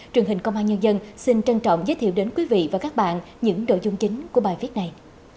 truyền hình công an nhân dân xin trân trọng giới thiệu đến quý vị và các bạn những nội dung chính của bài viết này